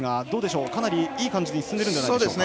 かなりいい感じで進んでるんじゃないでしょうか。